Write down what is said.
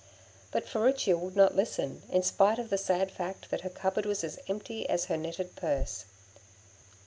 But Furicchia would not listen, in spite of the sad fact that her cupboard was as empty as her netted purse.